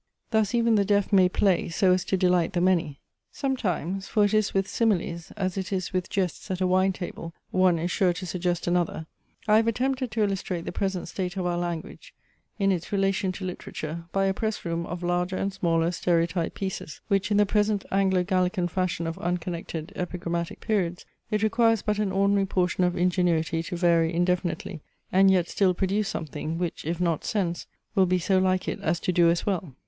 Thus even the deaf may play, so as to delight the many. Sometimes (for it is with similes, as it is with jests at a wine table, one is sure to suggest another) I have attempted to illustrate the present state of our language, in its relation to literature, by a press room of larger and smaller stereotype pieces, which, in the present Anglo Gallican fashion of unconnected, epigrammatic periods, it requires but an ordinary portion of ingenuity to vary indefinitely, and yet still produce something, which, if not sense, will be so like it as to do as well.